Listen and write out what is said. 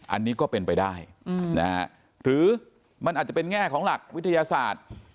อันนี้ก็เป็นไปได้นะฮะหรือมันอาจจะเป็นแง่ของหลักวิทยาศาสตร์